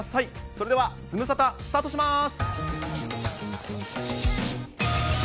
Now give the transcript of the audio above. それではズムサタスタートします。